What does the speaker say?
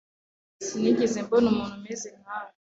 Sinigeze mbona umuntu umeze nkawe.